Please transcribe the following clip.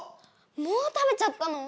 もう食べちゃったの⁉